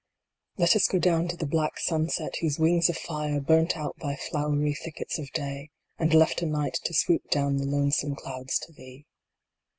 Let us go down to the black sunset whose wings of fire burnt out thy flowery thickets of Day, and left a Night to swoop down the lonesome clouds to thee.